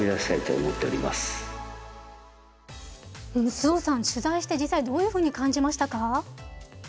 周防さん、取材して実際、どう感じましたか？